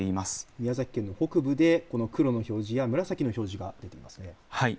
宮崎県の北部でこの黒の表示や紫の表示が出ています。